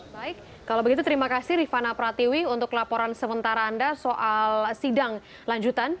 baik kalau begitu terima kasih rifana pratiwi untuk laporan sementara anda soal sidang lanjutan